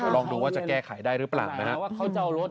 ลองดูว่าจะแก้ไขได้หรือเปล่านะครับ